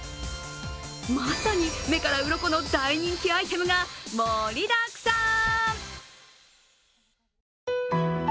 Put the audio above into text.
まさに目がうろこの大人気アイテムが盛りだくさん！